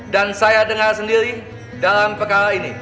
dan saya dengar sendiri dalam pekala ini